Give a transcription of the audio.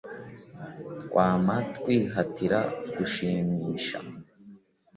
Twama twihatira gushimisha